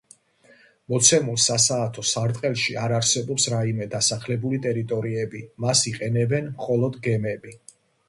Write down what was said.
მოცემულ სასაათო სარტყელში არ არსებობს რაიმე დასახლებული ტერიტორიები, მას იყენებენ მხოლოდ გემები.